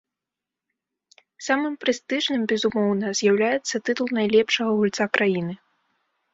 Самым прэстыжным, безумоўна, з'яўляецца тытул найлепшага гульца краіны.